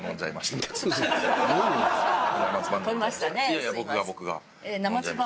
いやいや僕が僕が。